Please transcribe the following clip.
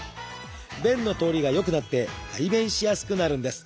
便の通りが良くなって排便しやすくなるんです。